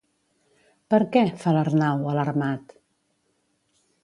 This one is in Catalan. Per què? —fa l'Arnau, alarmat.